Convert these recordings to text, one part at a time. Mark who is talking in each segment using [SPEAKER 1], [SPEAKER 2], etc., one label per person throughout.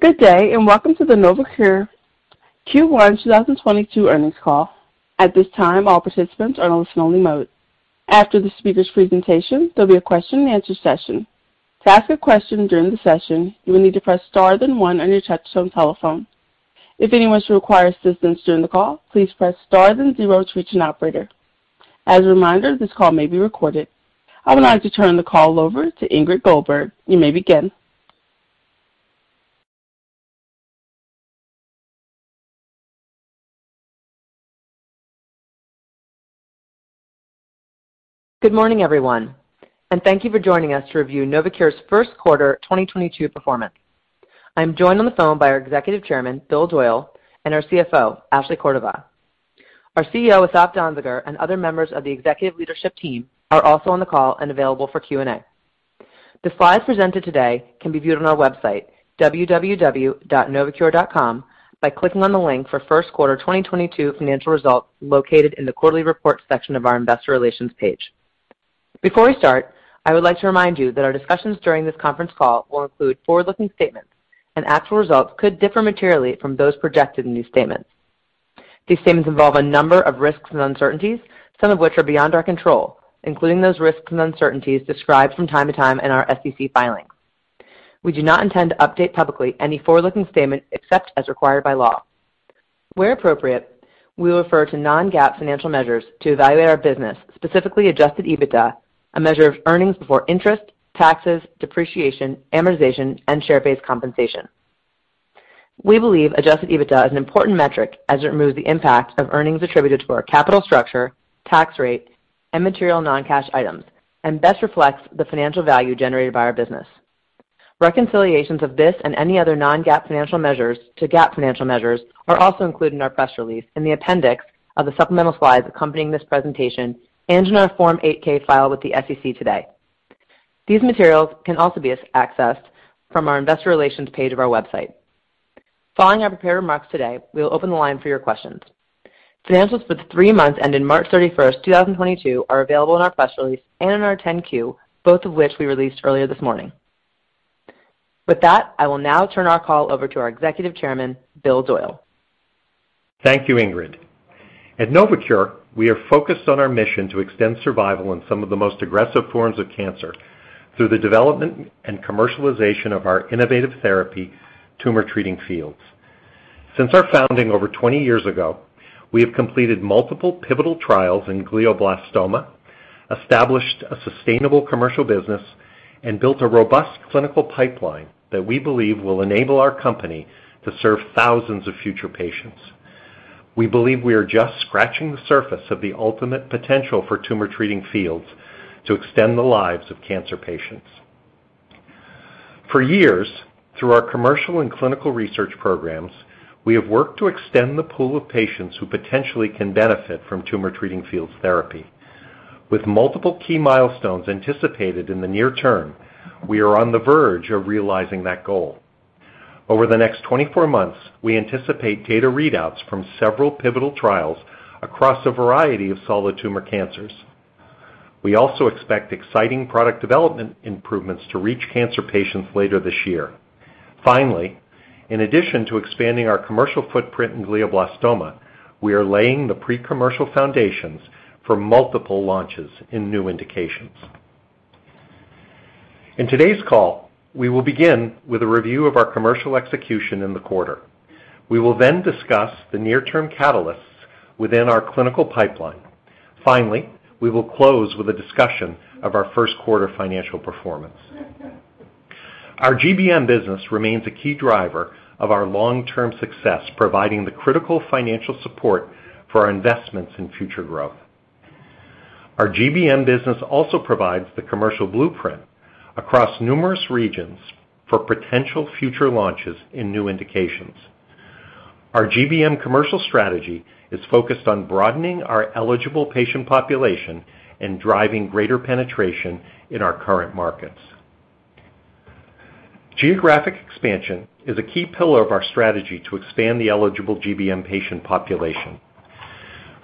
[SPEAKER 1] Good day, and welcome to the NovoCure Q1 2022 Earnings Call. At this time, all participants are on listen only mode. After the speaker's presentation, there'll be a question and answer session. To ask a question during the session, you will need to press star, then one on your touch-tone telephone. If anyone should require assistance during the call, please press star, then zero to reach an operator. As a reminder, this call may be recorded. I would like to turn the call over to Ingrid Goldberg. You may begin.
[SPEAKER 2] Good morning, everyone, and thank you for joining us to review NovoCure's First Quarter 2022 Performance. I'm joined on the phone by our Executive Chairman, Bill Doyle, and our CFO, Ashley Cordova. Our CEO, Asaf Danziger, and other members of the executive leadership team are also on the call and available for Q&A. The slides presented today can be viewed on our website, www.novocure.com, by clicking on the link for first quarter 2022 financial results located in the quarterly reports section of our investor relations page. Before we start, I would like to remind you that our discussions during this conference call will include forward-looking statements, and actual results could differ materially from those projected in these statements. These statements involve a number of risks and uncertainties, some of which are beyond our control, including those risks and uncertainties described from time to time in our SEC filings. We do not intend to update publicly any forward-looking statements except as required by law. Where appropriate, we refer to non-GAAP financial measures to evaluate our business, specifically Adjusted EBITDA, a measure of earnings before interest, taxes, depreciation, amortization, and share-based compensation. We believe Adjusted EBITDA is an important metric as it removes the impact of earnings attributed to our capital structure, tax rate, and material non-cash items, and best reflects the financial value generated by our business. Reconciliations of this and any other non-GAAP financial measures to GAAP financial measures are also included in our press release in the appendix of the supplemental slides accompanying this presentation and in our Form 8-K filed with the SEC today. These materials can also be accessed from our investor relations page of our website. Following our prepared remarks today, we will open the line for your questions. Financials for the three months ending March 31, 2022 are available in our press release and in our 10-Q, both of which we released earlier this morning. With that, I will now turn our call over to our Executive Chairman, Bill Doyle.
[SPEAKER 3] Thank you, Ingrid. At NovoCure, we are focused on our mission to extend survival in some of the most aggressive forms of cancer through the development and commercialization of our innovative therapy, Tumor Treating Fields. Since our founding over 20 years ago, we have completed multiple pivotal trials in glioblastoma, established a sustainable commercial business, and built a robust clinical pipeline that we believe will enable our company to serve thousands of future patients. We believe we are just scratching the surface of the ultimate potential for Tumor Treating Fields to extend the lives of cancer patients. For years, through our commercial and clinical research programs, we have worked to extend the pool of patients who potentially can benefit from Tumor Treating Fields therapy. With multiple key milestones anticipated in the near term, we are on the verge of realizing that goal. Over the next 24 months, we anticipate data readouts from several pivotal trials across a variety of solid tumor cancers. We also expect exciting product development improvements to reach cancer patients later this year. Finally, in addition to expanding our commercial footprint in glioblastoma, we are laying the pre-commercial foundations for multiple launches in new indications. In today's call, we will begin with a review of our commercial execution in the quarter. We will then discuss the near-term catalysts within our clinical pipeline. Finally, we will close with a discussion of our first quarter financial performance. Our GBM business remains a key driver of our long-term success, providing the critical financial support for our investments in future growth. Our GBM business also provides the commercial blueprint across numerous regions for potential future launches in new indications. Our GBM commercial strategy is focused on broadening our eligible patient population and driving greater penetration in our current markets. Geographic expansion is a key pillar of our strategy to expand the eligible GBM patient population.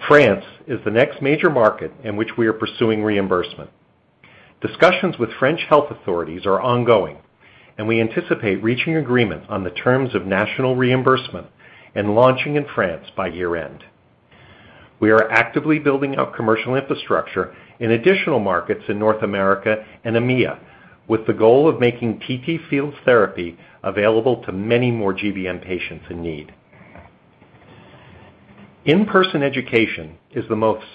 [SPEAKER 3] France is the next major market in which we are pursuing reimbursement. Discussions with French health authorities are ongoing, and we anticipate reaching agreement on the terms of national reimbursement and launching in France by year-end. We are actively building out commercial infrastructure in additional markets in North America and EMEA, with the goal of making TTFields therapy available to many more GBM patients in need. In-person education is the most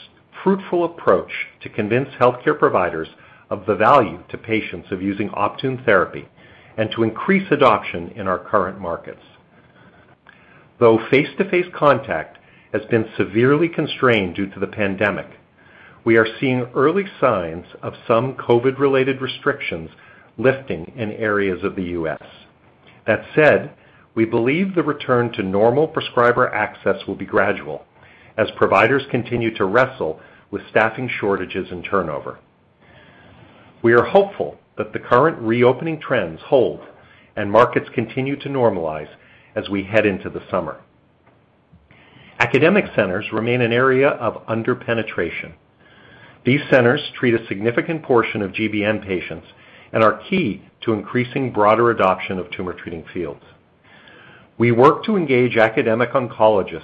[SPEAKER 3] fruitful approach to convince healthcare providers of the value to patients of using Optune therapy and to increase adoption in our current markets. Though face-to-face contact has been severely constrained due to the pandemic, we are seeing early signs of some COVID-related restrictions lifting in areas of the U.S. That said, we believe the return to normal prescriber access will be gradual as providers continue to wrestle with staffing shortages and turnover. We are hopeful that the current reopening trends hold and markets continue to normalize as we head into the summer. Academic centers remain an area of under-penetration. These centers treat a significant portion of GBM patients and are key to increasing broader adoption of Tumor Treating Fields. We work to engage academic oncologists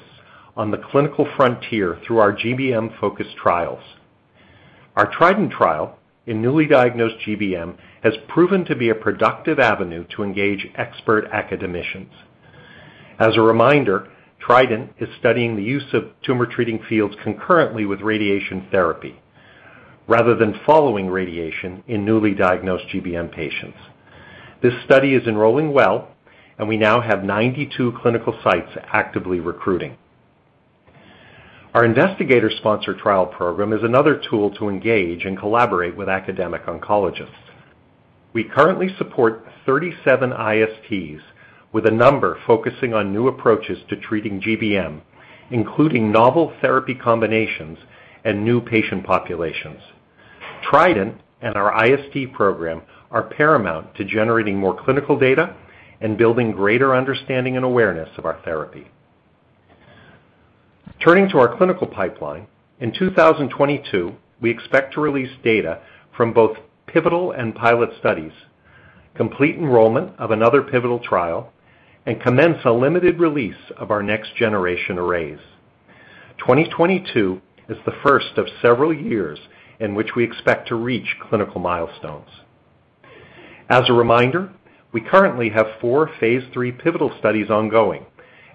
[SPEAKER 3] on the clinical frontier through our GBM-focused trials. Our TRIDENT trial in newly diagnosed GBM has proven to be a productive avenue to engage expert academicians. As a reminder, TRIDENT is studying the use of Tumor Treating Fields concurrently with radiation therapy rather than following radiation in newly diagnosed GBM patients. This study is enrolling well, and we now have 92 clinical sites actively recruiting. Our Investigator Sponsored Trial program is another tool to engage and collaborate with academic oncologists. We currently support 37 ISTs, with a number focusing on new approaches to treating GBM, including novel therapy combinations and new patient populations. TRIDENT and our IST program are paramount to generating more clinical data and building greater understanding and awareness of our therapy. Turning to our clinical pipeline, in 2022, we expect to release data from both pivotal and pilot studies, complete enrollment of another pivotal trial, and commence a limited release of our next-generation arrays. 2022 is the first of several years in which we expect to reach clinical milestones. As a reminder, we currently have four Phase III pivotal studies ongoing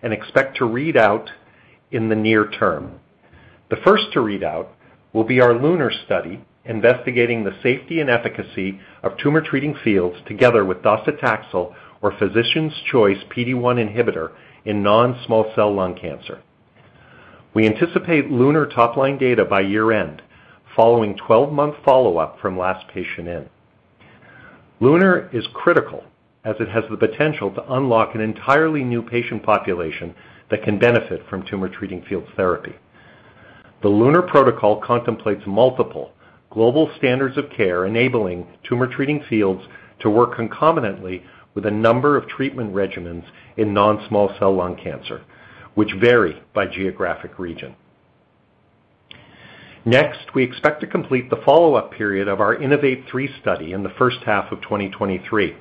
[SPEAKER 3] and expect to read out in the near term. The first to read out will be our LUNAR study investigating the safety and efficacy of Tumor Treating Fields together with docetaxel or physician's choice PD-1 inhibitor in non-small cell lung cancer. We anticipate LUNAR top-line data by year-end, following 12-month follow-up from last patient in. LUNAR is critical as it has the potential to unlock an entirely new patient population that can benefit from Tumor Treating Fields therapy. The LUNAR protocol contemplates multiple global standards of care, enabling Tumor Treating Fields to work concomitantly with a number of treatment regimens in non-small cell lung cancer, which vary by geographic region. Next, we expect to complete the follow-up period of our INNOVATE-3 study in the first half of 2023.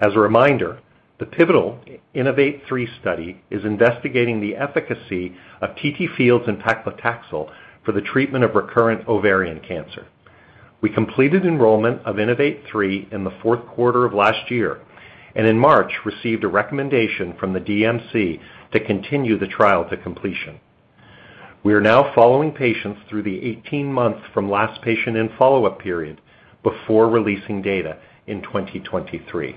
[SPEAKER 3] As a reminder, the pivotal INNOVATE-3 study is investigating the efficacy of TTFields and paclitaxel for the treatment of recurrent ovarian cancer. We completed enrollment of INNOVATE-3 in the fourth quarter of last year and in March received a recommendation from the DMC to continue the trial to completion. We are now following patients through the 18-month from last patient in follow-up period before releasing data in 2023.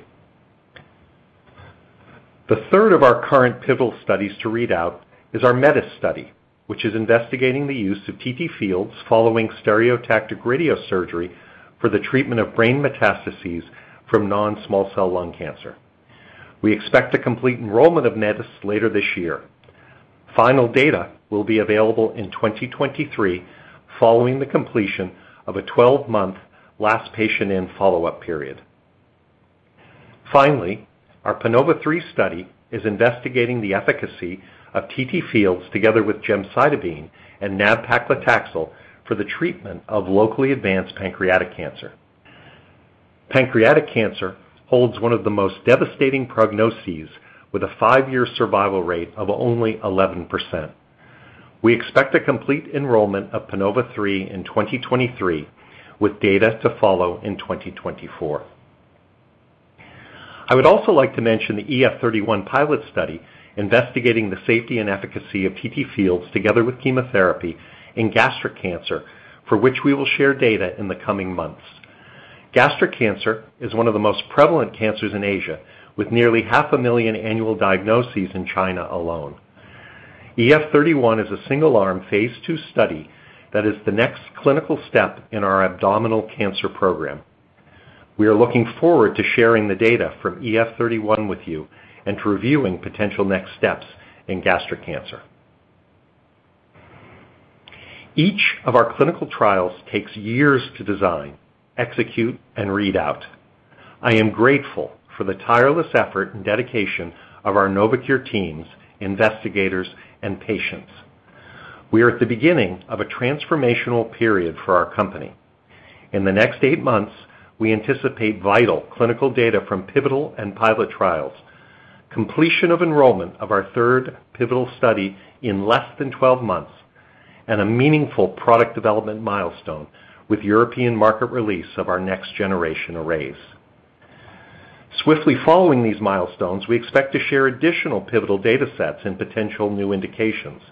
[SPEAKER 3] The third of our current pivotal studies to read out is our METIS study, which is investigating the use of TTFields following stereotactic radiosurgery for the treatment of brain metastases from non-small cell lung cancer. We expect to complete enrollment of METIS later this year. Final data will be available in 2023 following the completion of a 12-month last patient in follow-up period. Finally, our PANOVA-3 study is investigating the efficacy of TTFields together with gemcitabine and nab-paclitaxel for the treatment of locally advanced pancreatic cancer. Pancreatic cancer holds one of the most devastating prognoses, with a five-year survival rate of only 11%. We expect to complete enrollment of PANOVA-3 in 2023, with data to follow in 2024. I would also like to mention the EF-31 pilot study investigating the safety and efficacy of TTFields together with chemotherapy in gastric cancer, for which we will share data in the coming months. Gastric cancer is one of the most prevalent cancers in Asia, with nearly 500,000 annual diagnoses in China alone. EF-31 is a single-arm Phase II study that is the next clinical step in our abdominal cancer program. We are looking forward to sharing the data from EF-31 with you and to reviewing potential next steps in gastric cancer. Each of our clinical trials takes years to design, execute, and read out. I am grateful for the tireless effort and dedication of our NovoCure teams, investigators, and patients. We are at the beginning of a transformational period for our company. In the next eight months, we anticipate vital clinical data from pivotal and pilot trials, completion of enrollment of our third pivotal study in less than 12 months, and a meaningful product development milestone with European market release of our next-generation arrays. Swiftly following these milestones, we expect to share additional pivotal data sets and potential new indications.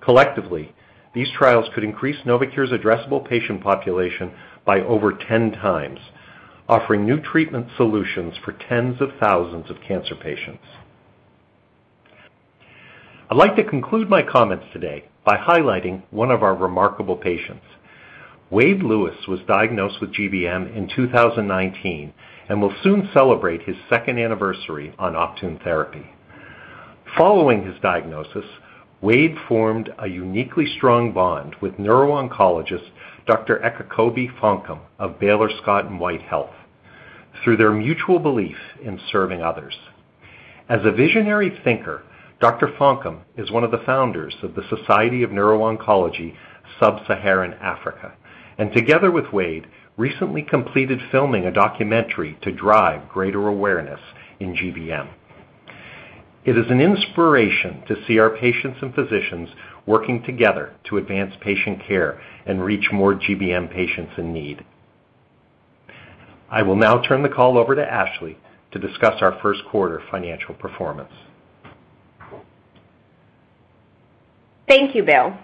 [SPEAKER 3] Collectively, these trials could increase NovoCure's addressable patient population by over 10 times, offering new treatment solutions for tens of thousands of cancer patients. I'd like to conclude my comments today by highlighting one of our remarkable patients. Wade Lewis was diagnosed with GBM in 2019 and will soon celebrate his second anniversary on Optune therapy. Following his diagnosis, Wade formed a uniquely strong bond with neuro-oncologist Dr. Ekokobe Fonkem of Baylor Scott & White Health. Through their mutual belief in serving others. As a visionary thinker, Dr. Fonkem is one of the founders of the Society for Neuro-Oncology Sub-Saharan Africa, and together with Wade, recently completed filming a documentary to drive greater awareness in GBM. It is an inspiration to see our patients and physicians working together to advance patient care and reach more GBM patients in need. I will now turn the call over to Ashley to discuss our first quarter financial performance.
[SPEAKER 4] Thank you, Bill.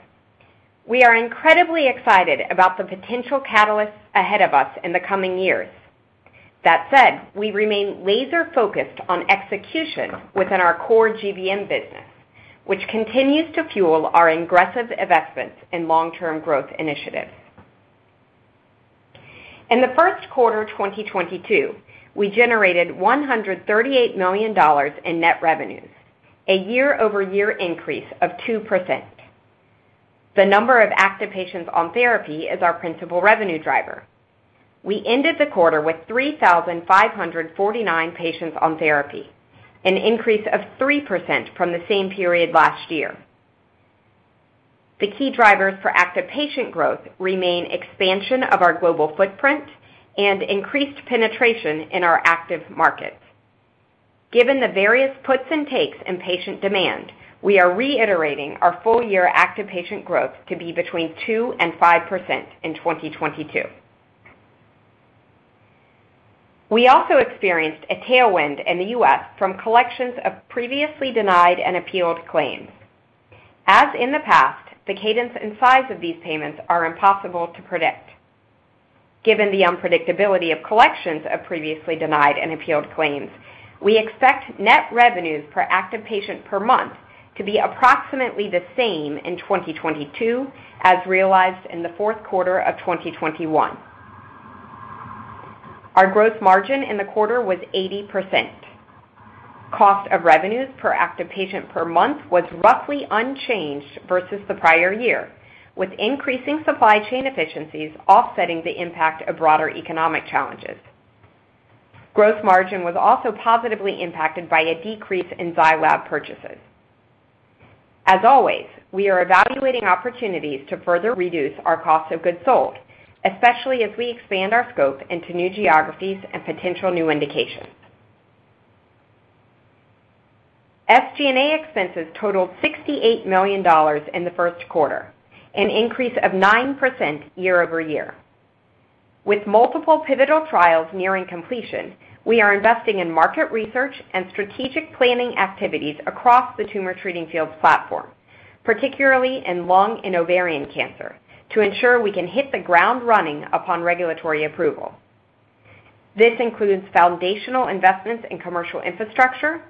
[SPEAKER 4] We are incredibly excited about the potential catalysts ahead of us in the coming years. That said, we remain laser-focused on execution within our core GBM business, which continues to fuel our aggressive investments in long-term growth initiatives. In the first quarter 2022, we generated $138 million in net revenues, a year-over-year increase of 2%. The number of active patients on therapy is our principal revenue driver. We ended the quarter with 3,549 patients on therapy, an increase of 3% from the same period last year. The key drivers for active patient growth remain expansion of our global footprint and increased penetration in our active markets. Given the various puts and takes in patient demand, we are reiterating our full-year active patient growth to be between 2% and 5% in 2022. We also experienced a tailwind in the U.S. from collections of previously denied and appealed claims. As in the past, the cadence and size of these payments are impossible to predict. Given the unpredictability of collections of previously denied and appealed claims, we expect net revenues per active patient per month to be approximately the same in 2022 as realized in the fourth quarter of 2021. Our gross margin in the quarter was 80%. Cost of revenues per active patient per month was roughly unchanged versus the prior year, with increasing supply chain efficiencies offsetting the impact of broader economic challenges. Gross margin was also positively impacted by a decrease in Zai Lab purchases. As always, we are evaluating opportunities to further reduce our cost of goods sold, especially as we expand our scope into new geographies and potential new indications. SG&A expenses totaled $68 million in the first quarter, an increase of 9% year-over-year. With multiple pivotal trials nearing completion, we are investing in market research and strategic planning activities across the Tumor Treating Fields platform, particularly in lung and ovarian cancer, to ensure we can hit the ground running upon regulatory approval. This includes foundational investments in commercial infrastructure,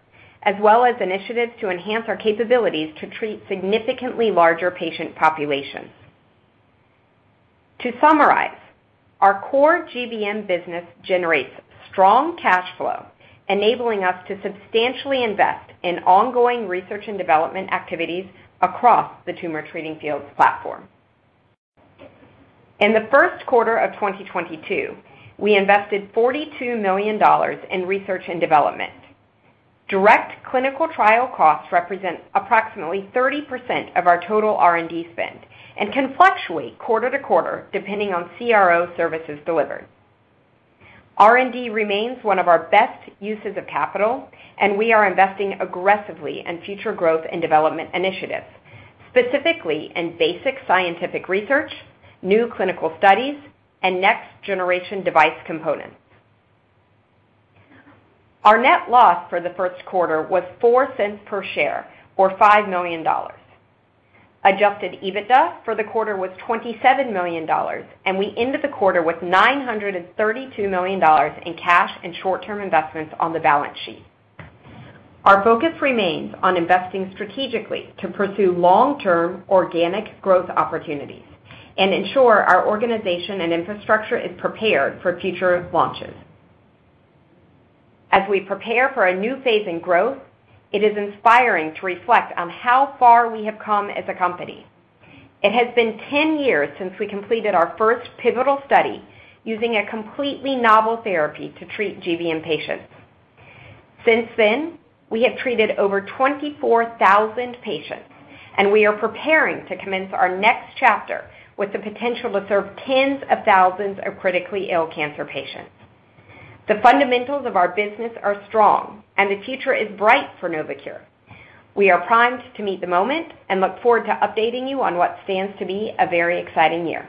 [SPEAKER 4] as well as initiatives to enhance our capabilities to treat significantly larger patient populations. To summarize, our core GBM business generates strong cash flow, enabling us to substantially invest in ongoing research and development activities across the Tumor Treating Fields platform. In the first quarter of 2022, we invested $42 million in research and development. Direct clinical trial costs represent approximately 30% of our total R&D spend and can fluctuate quarter to quarter depending on CRO services delivered. R&D remains one of our best uses of capital, and we are investing aggressively in future growth and development initiatives, specifically in basic scientific research, new clinical studies, and next-generation device components. Our net loss for the first quarter was $0.04 per share or $5 million. Adjusted EBITDA for the quarter was $27 million, and we ended the quarter with $932 million in cash and short-term investments on the balance sheet. Our focus remains on investing strategically to pursue long-term organic growth opportunities and ensure our organization and infrastructure is prepared for future launches. As we prepare for a new Phase in growth, it is inspiring to reflect on how far we have come as a company. It has been 10 years since we completed our first pivotal study using a completely novel therapy to treat GBM patients. Since then, we have treated over 24,000 patients, and we are preparing to commence our next chapter with the potential to serve tens of thousands of critically ill cancer patients. The fundamentals of our business are strong, and the future is bright for NovoCure. We are primed to meet the moment and look forward to updating you on what stands to be a very exciting year.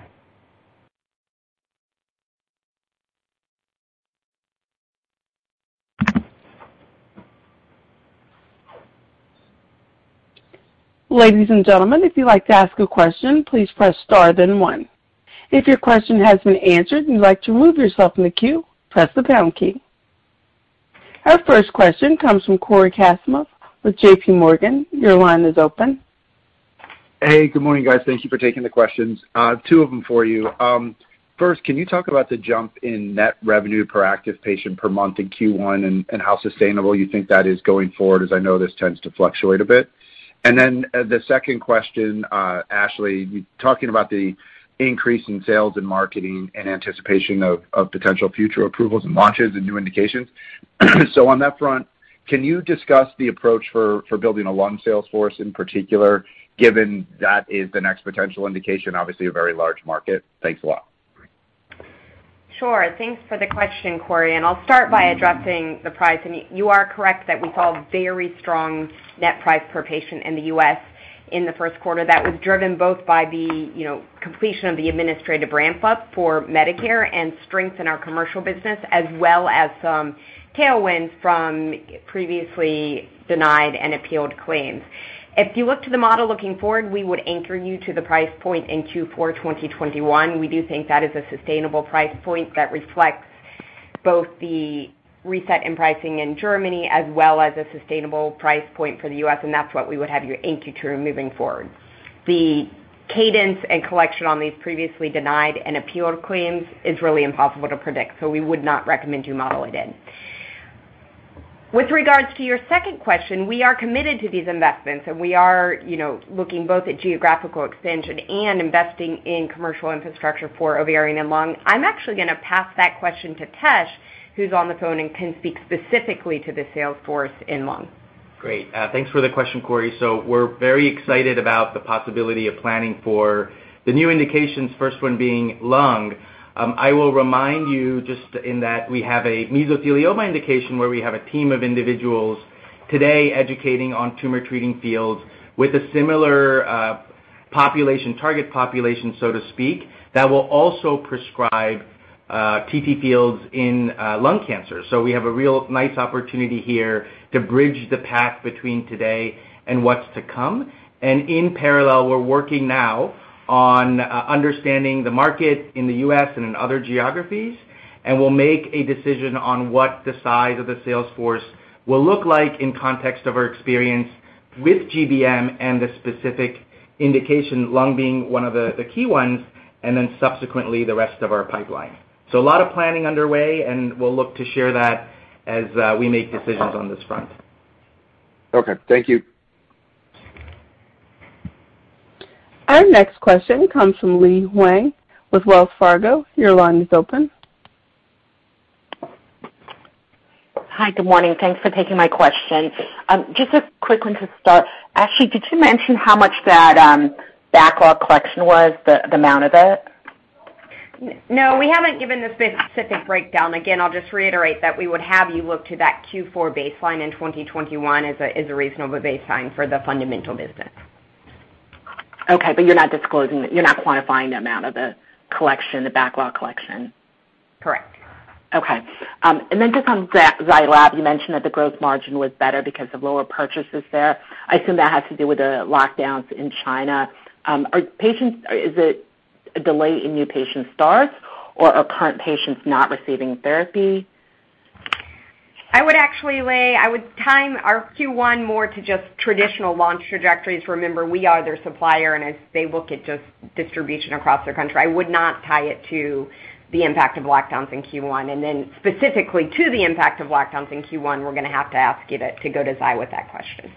[SPEAKER 1] Ladies and gentlemen, if you'd like to ask a question, please press star then one. If your question has been answered and you'd like to remove yourself from the queue, press the pound key. Our first question comes from Cory Kasimov with J.P. Morgan. Your line is open.
[SPEAKER 5] Hey, good morning, guys. Thank you for taking the questions. Two of them for you. First, can you talk about the jump in net revenue per active patient per month in Q1 and how sustainable you think that is going forward, as I know this tends to fluctuate a bit? The second question, Ashley, you talking about the increase in sales and marketing in anticipation of potential future approvals and launches and new indications. On that front, can you discuss the approach for building a lung sales force in particular, given that is the next potential indication, obviously a very large market? Thanks a lot.
[SPEAKER 4] Sure. Thanks for the question, Cory, and I'll start by addressing the price. You are correct that we saw very strong net price per patient in the U.S. in the first quarter. That was driven both by the, you know, completion of the administrative ramp-up for Medicare and strength in our commercial business, as well as some tailwinds from previously denied and appealed claims. If you look to the model looking forward, we would anchor you to the price point in Q4 2021. We do think that is a sustainable price point that reflects both the reset in pricing in Germany as well as a sustainable price point for the U.S., and that's what we would have you anchor to moving forward. The cadence and collection on these previously denied and appealed claims is really impossible to predict, so we would not recommend you model it in. With regards to your second question, we are committed to these investments, and we are, you know, looking both at geographical expansion and investing in commercial infrastructure for ovarian and lung. I'm actually gonna pass that question to Pritesh, who's on the phone and can speak specifically to the sales force in lung.
[SPEAKER 6] Great. Thanks for the question, Cory. We're very excited about the possibility of planning for the new indications, first one being lung. I will remind you just in that we have a mesothelioma indication where we have a team of individuals today educating on Tumor Treating Fields with a similar population, target population, so to speak, that will also prescribe TTFields in lung cancer. We have a real nice opportunity here to bridge the path between today and what's to come. In parallel, we're working now on understanding the market in the U.S. and in other geographies, and we'll make a decision on what the size of the sales force will look like in context of our experience with GBM and the specific indication, lung being one of the key ones, and then subsequently the rest of our pipeline. A lot of planning underway, and we'll look to share that as we make decisions on this front.
[SPEAKER 5] Okay. Thank you.
[SPEAKER 1] Our next question comes from Lei Huang with Wells Fargo. Your line is open.
[SPEAKER 7] Hi. Good morning. Thanks for taking my question. Just a quick one to start. Ashley, did you mention how much that backlog collection was, the amount of it?
[SPEAKER 4] No, we haven't given the specific breakdown. Again, I'll just reiterate that we would have you look to that Q4 baseline in 2021 as a reasonable baseline for the fundamental business.
[SPEAKER 7] Okay, you're not disclosing, you're not quantifying the amount of the collection, the backlog collection?
[SPEAKER 4] Correct.
[SPEAKER 7] Okay. Just on Zai Lab, you mentioned that the growth margin was better because of lower purchases there. I assume that has to do with the lockdowns in China. Is it a delay in new patient starts, or are current patients not receiving therapy?
[SPEAKER 4] I would actually time our Q1 more to just traditional launch trajectories. Remember, we are their supplier, and as they look at just distribution across their country, I would not tie it to the impact of lockdowns in Q1. Then specifically to the impact of lockdowns in Q1, we're gonna have to ask you to go to Zai with that question.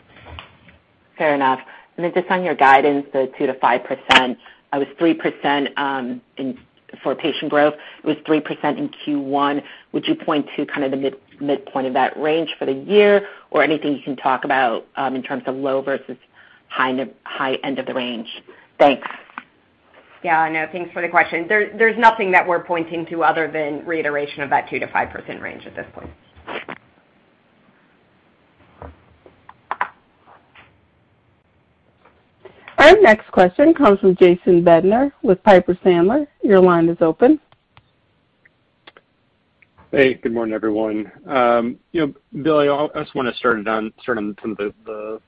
[SPEAKER 7] Fair enough. Just on your guidance, the 2%-5% was 3% in for patient growth. It was 3% in Q1. Would you point to kind of the midpoint of that range for the year or anything you can talk about in terms of low versus high end of the range? Thanks.
[SPEAKER 4] Yeah, no, thanks for the question. There's nothing that we're pointing to other than reiteration of that 2%-5% range at this point.
[SPEAKER 1] Our next question comes from Jason Bednar with Piper Sandler. Your line is open.
[SPEAKER 8] Hey, good morning, everyone. You know, Bill, I just wanna start on some of the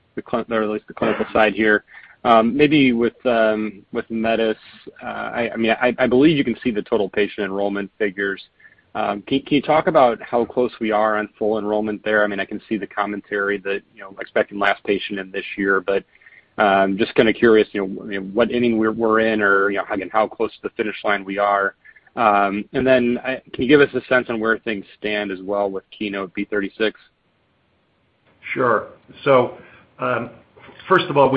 [SPEAKER 8] clinical side here. Maybe with METIS, I mean, I believe you can see the total patient enrollment figures. Can you talk about how close we are on full enrollment there? I mean, I can see the commentary that, you know, expecting last patient in this year, but just kinda curious, you know, what inning we're in or, you know, I mean, how close to the finish line we are. And then, can you give us a sense on where things stand as well with KEYNOTE-B36?
[SPEAKER 3] Sure. So, first of all,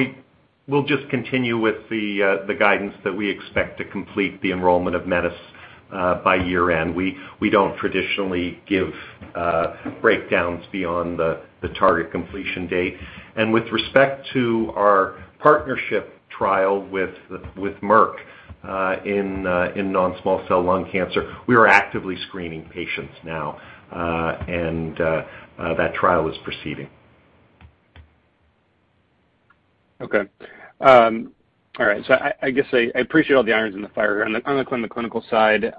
[SPEAKER 3] we'll just continue with the guidance that we expect to complete the enrollment of METIS by year-end. We don't traditionally give breakdowns beyond the target completion date. With respect to our partnership trial with Merck in non-small cell lung cancer, we are actively screening patients now, and that trial is proceeding.
[SPEAKER 8] Okay. All right. I guess I appreciate all the irons in the fire on the clinical side.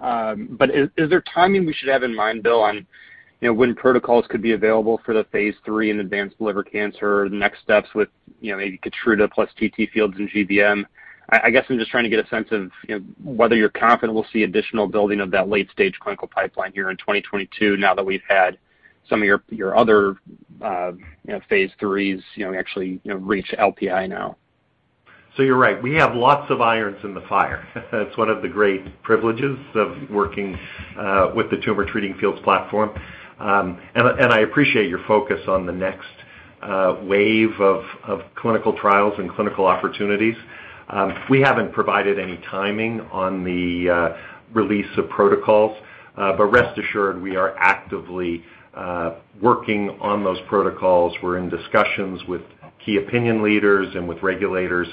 [SPEAKER 8] But is there timing we should have in mind, Bill, on, you know, when protocols could be available for the Phase III in advanced liver cancer or the next steps with, you know, maybe KEYTRUDA plus TTFields in GBM? I guess I'm just trying to get a sense of, you know, whether you're confident we'll see additional building of that late-stage clinical pipeline here in 2022 now that we've had some of your other Phase III, you know, actually reach LPI now.
[SPEAKER 3] You're right, we have lots of irons in the fire. That's one of the great privileges of working with the Tumor Treating Fields platform. I appreciate your focus on the next wave of clinical trials and clinical opportunities. We haven't provided any timing on the release of protocols, but rest assured we are actively working on those protocols. We're in discussions with key opinion leaders and with regulators.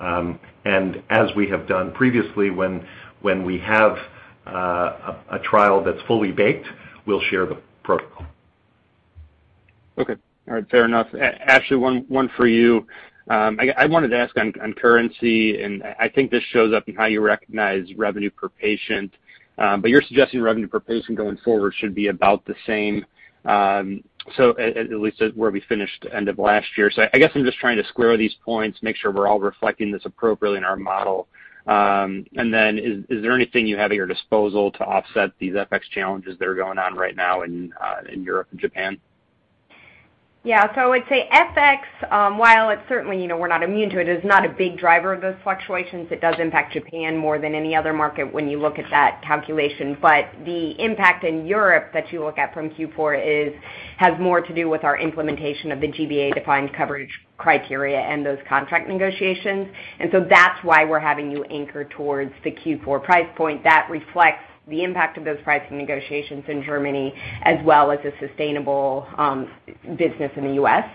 [SPEAKER 3] As we have done previously when we have a trial that's fully baked, we'll share the protocol.
[SPEAKER 8] Okay. All right. Fair enough. Ashley, one for you. I wanted to ask on currency, and I think this shows up in how you recognize revenue per patient. You're suggesting revenue per patient going forward should be about the same, so at least as it was at the end of last year. I guess I'm just trying to square these points, make sure we're all reflecting this appropriately in our model. Is there anything you have at your disposal to offset these FX challenges that are going on right now in Europe and Japan?
[SPEAKER 4] Yeah. I would say FX, while it's certainly, you know, we're not immune to it, is not a big driver of those fluctuations. It does impact Japan more than any other market when you look at that calculation. But the impact in Europe that you look at from Q4 has more to do with our implementation of the G-BA-defined coverage criteria and those contract negotiations. That's why we're having you anchor towards the Q4 price point that reflects the impact of those pricing negotiations in Germany as well as a sustainable business in the U.S..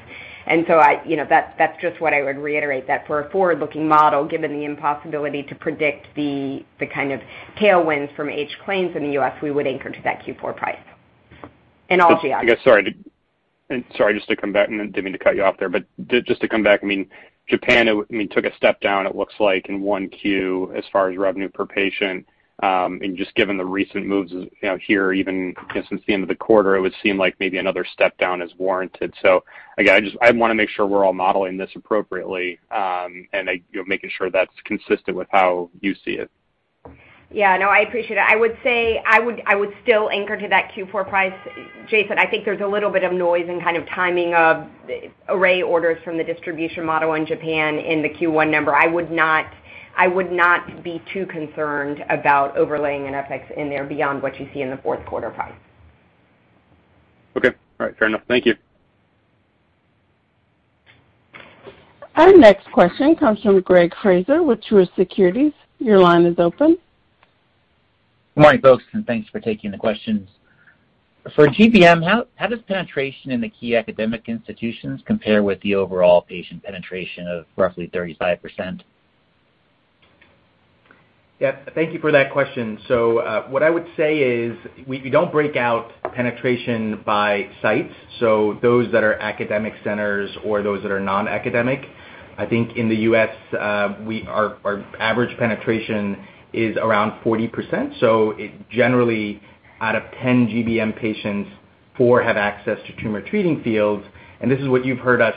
[SPEAKER 4] You know, that's just what I would reiterate that for a forward-looking model, given the impossibility to predict the kind of tailwinds from H claims in the U.S., we would anchor to that Q4 price in all geos.
[SPEAKER 8] Sorry, just to come back, and I didn't mean to cut you off there, but just to come back, I mean, Japan, I mean, took a step down, it looks like in one Q as far as revenue per patient. And just given the recent moves, you know, here, even since the end of the quarter, it would seem like maybe another step down is warranted. Again, I just want to make sure we're all modeling this appropriately, and I, you know, making sure that's consistent with how you see it.
[SPEAKER 4] Yeah. No, I appreciate it. I would say I would still anchor to that Q4 price. Jason, I think there's a little bit of noise and kind of timing of array orders from the distribution model in Japan in the Q1 number. I would not be too concerned about overlaying an FX in there beyond what you see in the fourth quarter price.
[SPEAKER 8] Okay. All right. Fair enough. Thank you.
[SPEAKER 1] Our next question comes from Greg Fraser with Truist Securities. Your line is open.
[SPEAKER 9] Good morning, folks, and thanks for taking the questions. For GBM, how does penetration in the key academic institutions compare with the overall patient penetration of roughly 35%?
[SPEAKER 6] Yeah. Thank you for that question. What I would say is we don't break out penetration by sites, so those that are academic centers or those that are non-academic. I think in the U.S., our average penetration is around 40%. It generally, out of 10 GBM patients, four have access to Tumor Treating Fields. This is what you've heard us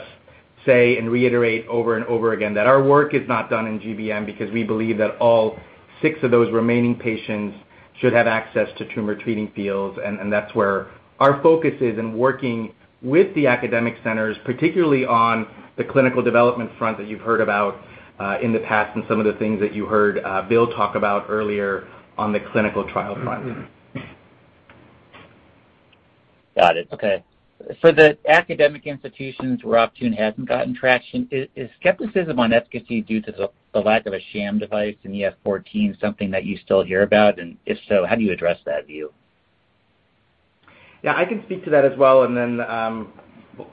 [SPEAKER 6] say and reiterate over and over again that our work is not done in GBM because we believe that all six of those remaining patients should have access to Tumor Treating Fields. That's where our focus is in working with the academic centers, particularly on the clinical development front that you've heard about in the past and some of the things that you heard Bill talk about earlier on the clinical trial front.
[SPEAKER 9] Got it. Okay. For the academic institutions where Optune hasn't gotten traction, is skepticism on efficacy due to the lack of a sham device in the EF-14 something that you still hear about? And if so, how do you address that view?
[SPEAKER 6] Yeah, I can speak to that as well, and then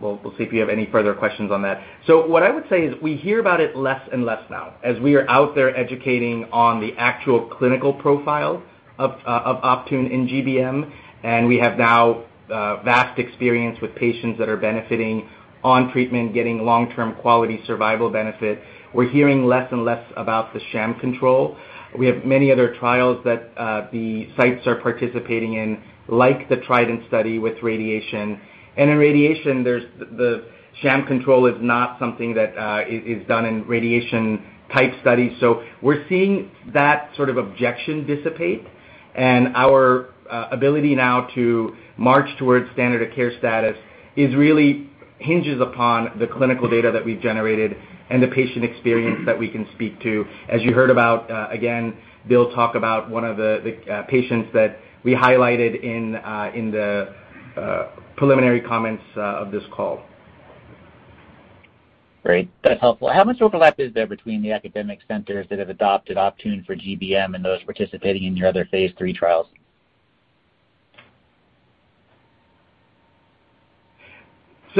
[SPEAKER 6] we'll see if you have any further questions on that. What I would say is we hear about it less and less now as we are out there educating on the actual clinical profile of Optune in GBM. We have now vast experience with patients that are benefiting on treatment, getting long-term quality survival benefit. We're hearing less and less about the sham control. We have many other trials that the sites are participating in, like the TRIDENT study with radiation. In radiation, the sham control is not something that is done in radiation-type studies. We're seeing that sort of objection dissipate. Our ability now to march towards standard of care status really hinges upon the clinical data that we've generated and the patient experience that we can speak to. As you heard about, again, Bill talk about one of the patients that we highlighted in the preliminary comments of this call.
[SPEAKER 9] Great. That's helpful. How much overlap is there between the academic centers that have adopted Optune for GBM and those participating in your other Phase III trials?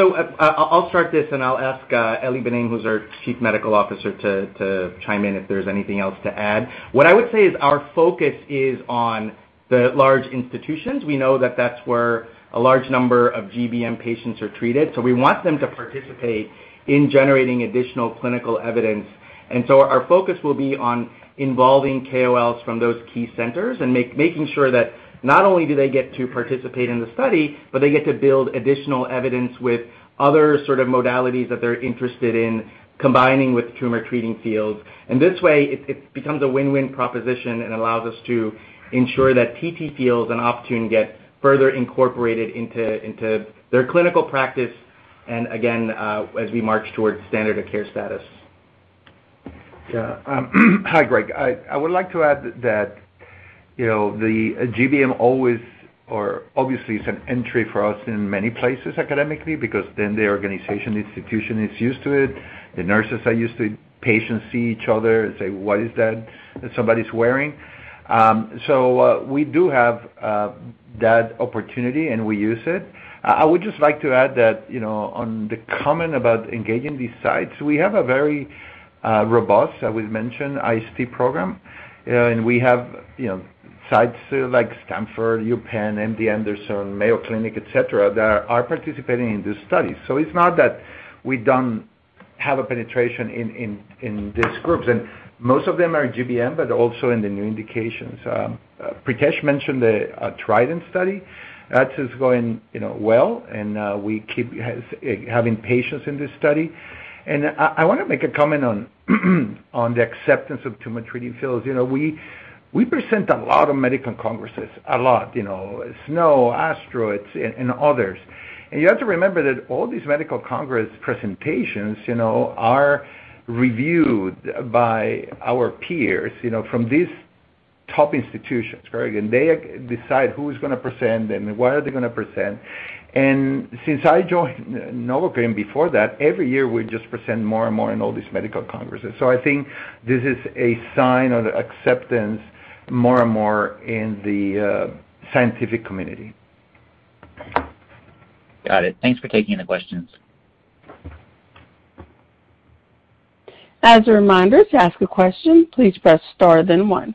[SPEAKER 6] I'll start this and I'll ask Ely Benaim, who's our Chief Medical Officer, to chime in if there's anything else to add. What I would say is our focus is on the large institutions. We know that that's where a large number of GBM patients are treated, so we want them to participate in generating additional clinical evidence. Our focus will be on involving KOLs from those key centers and making sure that not only do they get to participate in the study, but they get to build additional evidence with other sort of modalities that they're interested in combining with Tumor Treating Fields. This way it becomes a win-win proposition and allows us to ensure that TTFields and Optune get further incorporated into their clinical practice, and again, as we march towards standard of care status.
[SPEAKER 10] Yeah. Hi, Greg. I would like to add that, you know, the GBM always or obviously is an entry for us in many places academically because then the organization institution is used to it, the nurses are used to it, patients see each other and say, "What is that somebody's wearing?" So, we do have that opportunity, and we use it. I would just like to add that, you know, on the comment about engaging these sites, we have a very robust, as we've mentioned, IST program. We have, you know, sites like Stanford, UPenn, MD Anderson, Mayo Clinic, et cetera, that are participating in this study. So it's not that we don't have a penetration in these groups, and most of them are GBM, but also in the new indications. Pritesh mentioned the TRIDENT study. That is going, you know, well, and we keep having patients in this study. I wanna make a comment on the acceptance of Tumor Treating Fields. You know, we present a lot of medical congresses, a lot, you know, SNO, ASCO and others. You have to remember that all these medical congress presentations, you know, are reviewed by our peers, you know, from these top institutions, Greg. They decide who's gonna present and what are they gonna present. Since I joined NovoCure, and before that, every year, we just present more and more in all these medical congresses. I think this is a sign of the acceptance more and more in the scientific community.
[SPEAKER 9] Got it. Thanks for taking the questions.
[SPEAKER 1] As a reminder, to ask a question, please press star then one.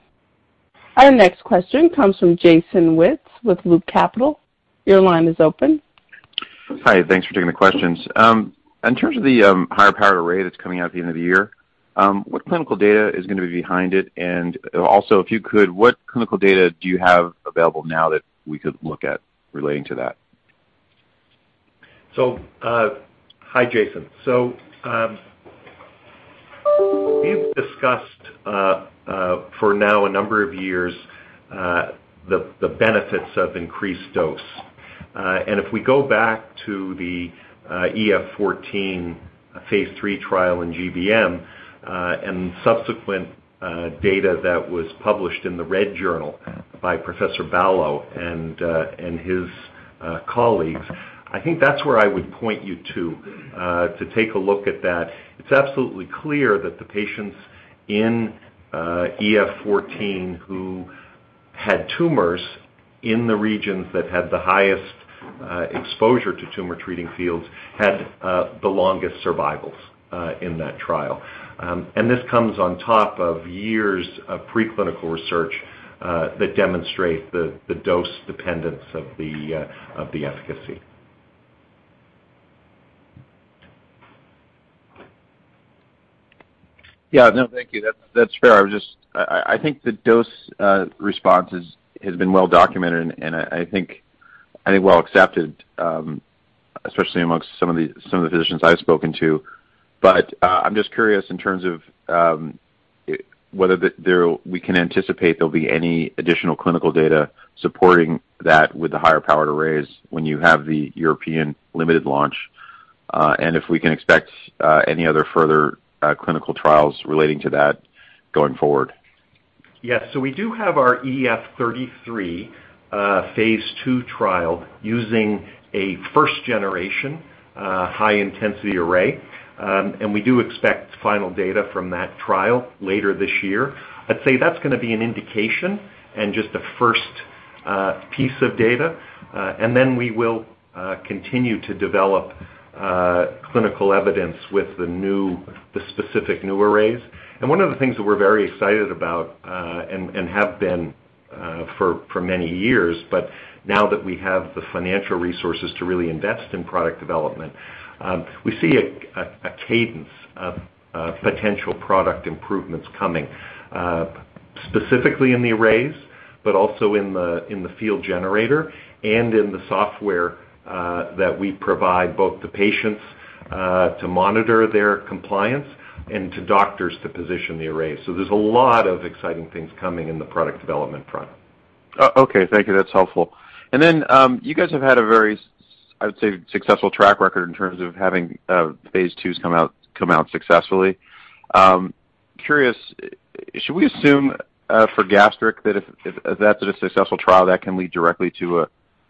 [SPEAKER 1] Our next question comes from Jason Wittes with Loop Capital. Your line is open.
[SPEAKER 11] Hi, thanks for taking the questions. In terms of the higher powered array that's coming out at the end of the year, what clinical data is gonna be behind it? Also, if you could, what clinical data do you have available now that we could look at relating to that?
[SPEAKER 3] Hi, Jason. We've discussed for a number of years the benefits of increased dose. If we go back to the EF-14 Phase III trial in GBM and subsequent data that was published in the Red Journal by Professor Ballo and his colleagues, I think that's where I would point you to take a look at that. It's absolutely clear that the patients in EF-14 who had tumors in the regions that had the highest exposure to Tumor Treating Fields had the longest survivals in that trial. This comes on top of years of pre-clinical research that demonstrate the dose dependence of the efficacy.
[SPEAKER 11] Yeah. No, thank you. That's fair. I think the dose response has been well documented, and I think well accepted, especially among some of the physicians I've spoken to. I'm just curious in terms of whether we can anticipate there'll be any additional clinical data supporting that with the higher powered arrays when you have the European limited launch, and if we can expect any other further clinical trials relating to that going forward.
[SPEAKER 3] Yes. We do have our EF-33 Phase II trial using a first generation high intensity array, and we do expect final data from that trial later this year. I'd say that's gonna be an indication and just the first piece of data, and then we will continue to develop clinical evidence with the specific new arrays. One of the things that we're very excited about, and have been for many years, but now that we have the financial resources to really invest in product development, we see a cadence of potential product improvements coming, specifically in the arrays, but also in the field generator and in the software that we provide both the patients to monitor their compliance and to doctors to position the array. There's a lot of exciting things coming in the product development front.
[SPEAKER 11] Oh, okay. Thank you. That's helpful. You guys have had a very, I would say, successful track record in terms of having Phase II come out successfully. Curious, should we assume for gastric that if that's a successful trial, that can lead directly to an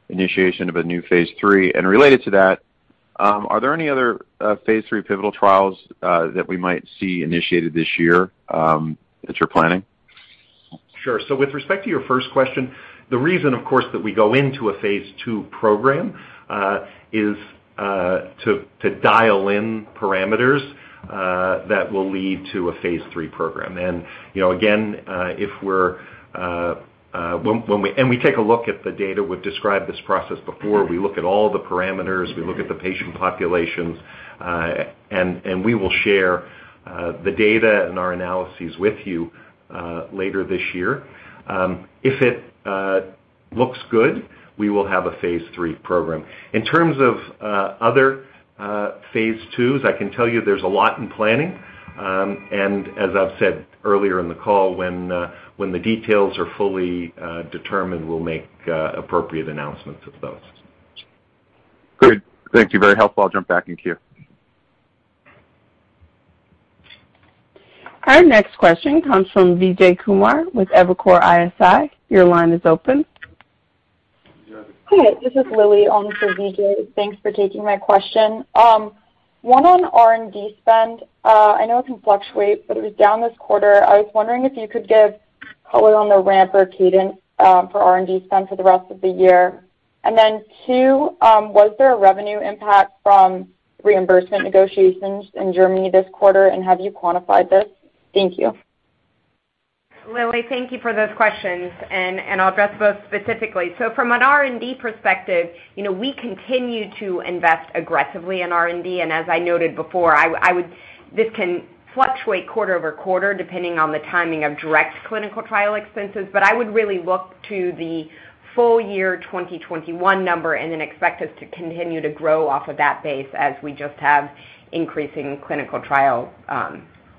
[SPEAKER 11] initiation of a new Phase III? Related to that, are there any other Phase III pivotal trials that we might see initiated this year that you're planning?
[SPEAKER 3] Sure. With respect to your first question, the reason, of course, that we go into a Phase II program is to dial in parameters that will lead to a Phase III program. You know, again, when we take a look at the data, we've described this process before. We look at all the parameters, we look at the patient populations, and we will share the data and our analyses with you later this year. If it looks good, we will have a Phase III program. In terms of other Phase II, I can tell you there's a lot in planning. As I've said earlier in the call, when the details are fully determined, we'll make appropriate announcements of those. Thank you. Very helpful.
[SPEAKER 11] I'll jump back in queue.
[SPEAKER 1] Our next question comes from Vijay Kumar with Evercore ISI. Your line is open.
[SPEAKER 12] Hi, this is Lily on for Vijay. Thanks for taking my question. One on R&D spend. I know it can fluctuate, but it was down this quarter. I was wondering if you could give color on the ramp or cadence, for R&D spend for the rest of the year. Two, was there a revenue impact from reimbursement negotiations in Germany this quarter, and have you quantified this? Thank you.
[SPEAKER 4] Lily, thank you for those questions, and I'll address both specifically. From an R&D perspective, you know, we continue to invest aggressively in R&D. As I noted before, this can fluctuate quarter over quarter depending on the timing of direct clinical trial expenses. I would really look to the full year 2021 number and then expect us to continue to grow off of that base as we just have increasing clinical trial,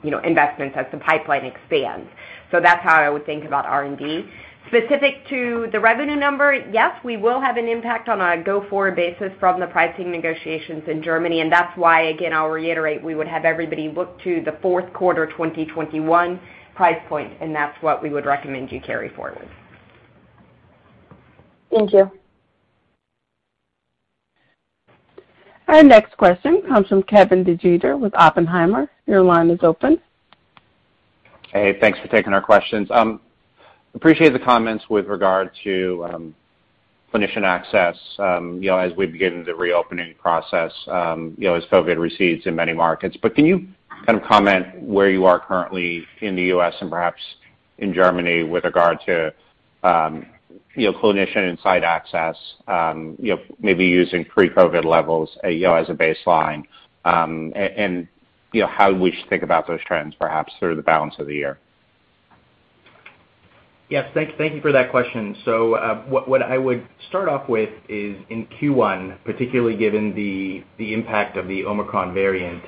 [SPEAKER 4] you know, investments as the pipeline expands. That's how I would think about R&D. Specific to the revenue number, yes, we will have an impact on a go-forward basis from the pricing negotiations in Germany, and that's why, again, I'll reiterate, we would have everybody look to the fourth quarter 2021 price point, and that's what we would recommend you carry forward.
[SPEAKER 12] Thank you.
[SPEAKER 1] Our next question comes from Kevin DeGeeter with Oppenheimer. Your line is open.
[SPEAKER 13] Hey, thanks for taking our questions. Appreciate the comments with regard to clinician access, you know, as we begin the reopening process, you know, as COVID recedes in many markets. Can you kind of comment where you are currently in the U.S. and perhaps in Germany with regard to you know, clinician and site access, you know, maybe using pre-COVID levels, you know, as a baseline, and you know, how we should think about those trends perhaps through the balance of the year?
[SPEAKER 6] Yes. Thank you for that question. What I would start off with is in Q1, particularly given the impact of the Omicron variant,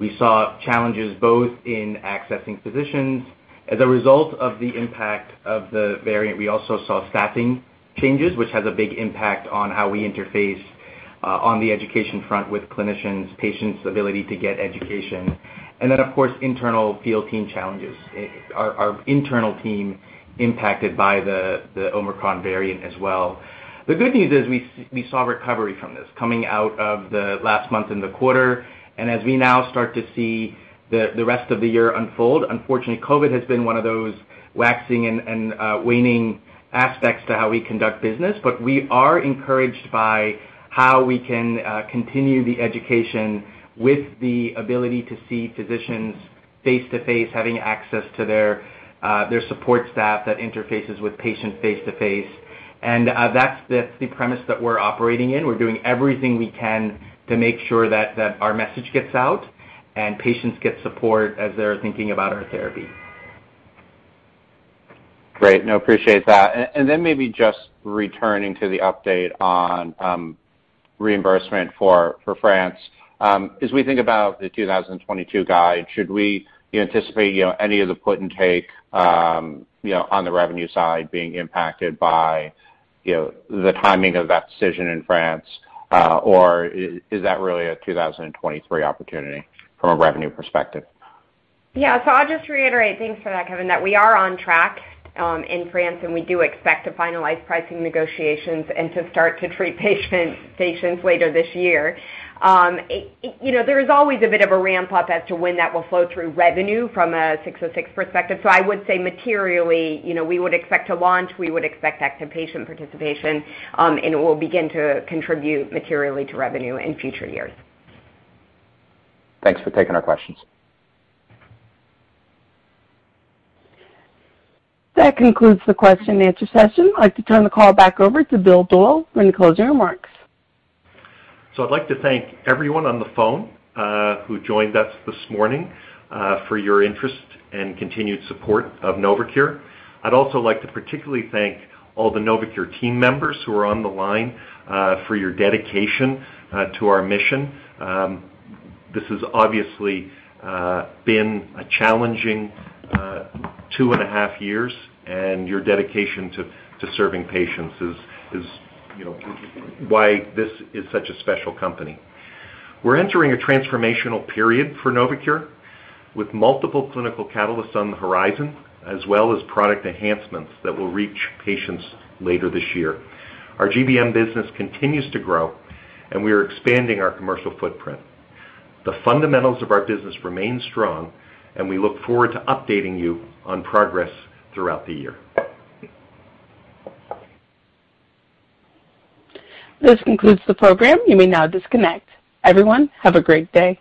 [SPEAKER 6] we saw challenges both in accessing physicians. As a result of the impact of the variant, we also saw staffing changes, which has a big impact on how we interface on the education front with clinicians, patients' ability to get education. Then, of course, internal field team challenges. Our internal team impacted by the Omicron variant as well. The good news is we saw recovery from this coming out of the last month in the quarter. As we now start to see the rest of the year unfold, unfortunately, COVID has been one of those waxing and waning aspects to how we conduct business. We are encouraged by how we can continue the education with the ability to see physicians face to face, having access to their support staff that interfaces with patients face to face. That's the premise that we're operating in. We're doing everything we can to make sure that our message gets out and patients get support as they're thinking about our therapy.
[SPEAKER 13] Great. No, appreciate that. Then maybe just returning to the update on reimbursement for France. As we think about the 2022 guide, should we anticipate, you know, any of the put and take, you know, on the revenue side being impacted by, you know, the timing of that decision in France, or is that really a 2023 opportunity from a revenue perspective?
[SPEAKER 4] Yeah. I'll just reiterate, thanks for that, Kevin, that we are on track in France, and we do expect to finalize pricing negotiations and to start to treat patients later this year. You know, there is always a bit of a ramp-up as to when that will flow through revenue from an ASC 606 perspective. I would say materially, you know, we would expect to launch, we would expect active patient participation, and it will begin to contribute materially to revenue in future years.
[SPEAKER 13] Thanks for taking our questions.
[SPEAKER 1] That concludes the question and answer session. I'd like to turn the call back over to Bill Doyle for any closing remarks.
[SPEAKER 3] I'd like to thank everyone on the phone, who joined us this morning, for your interest and continued support of NovoCure. I'd also like to particularly thank all the NovoCure team members who are on the line, for your dedication to our mission. This has obviously been a challenging two and a half years, and your dedication to serving patients is you know why this is such a special company. We're entering a transformational period for NovoCure with multiple clinical catalysts on the horizon, as well as product enhancements that will reach patients later this year. Our GBM business continues to grow, and we are expanding our commercial footprint. The fundamentals of our business remain strong, and we look forward to updating you on progress throughout the year.
[SPEAKER 1] This concludes the program. You may now disconnect. Everyone, have a great day.